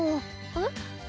えっ？